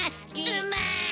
うまい！